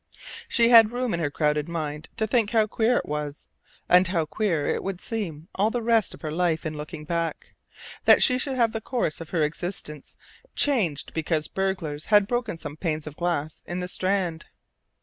She had room in her crowded mind to think how queer it was and how queer it would seem all the rest of her life in looking back that she should have the course of her existence changed because burglars had broken some panes of glass in the Strand.